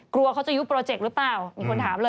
กลัวเขาจะยุบโปรเจกต์หรือเปล่ามีคนถามเลย